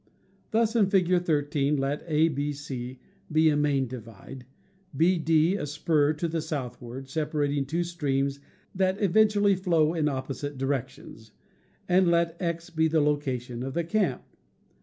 Thus, in Fig. 13, let ABC be a main divide, BD a spur to the southward separating two streams that eventually flow in opposite directions, and let X be the location of the camp.